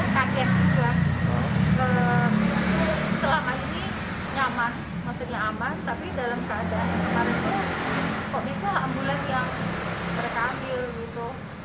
saya kaget juga selama ini nyaman tapi dalam keadaan sekarang kok bisa ambulans yang berkambil